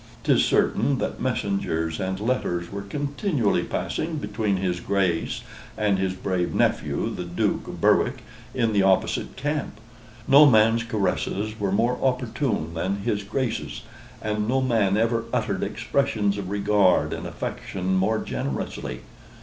'Tis certain that messengers and letters were continually passing between his Grace and his brave nephew, the Duke of Berwick, in the opposite camp. No man's caresses were more opportune than his Grace's, and no man ever uttered expressions of regard and affection more generously.